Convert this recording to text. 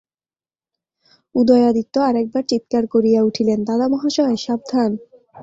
উদয়াদিত্য আর-একবার চীৎকার করিয়া উঠিলেন, দাদামহাশয়, সাবধান।